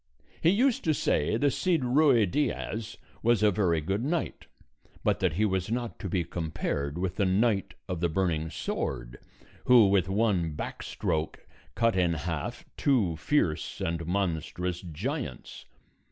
He used to say the Cid Ruy Diaz was a very good knight, but that he was not to be compared with the Knight of the Burning Sword, who with one back stroke cut in half two fierce and monstrous giants.